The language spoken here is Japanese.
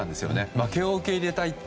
負けを受け入れたいって。